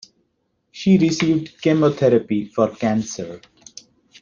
She received chemotherapy for cancer.